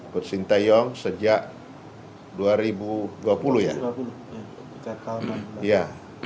buat sintayong sejak dua ribu dua puluh ya